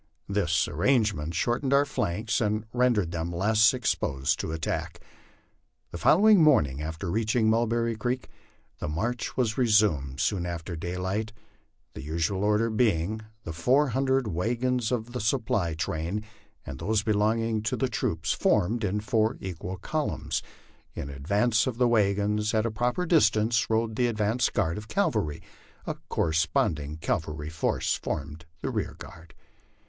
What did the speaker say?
This arrangement shortened our flanks and rendered them less exposed to attack. The following morning after reaching Mulberry creek the march was resumed soon after daylight, the usual order being: the four hundred wagons of the supply train and those belonging to the troops formed in four equal columns; in advance of the wagons at a proper distance rode the advance guard of cavalry; a corresponding cavalry force formed the rear guard.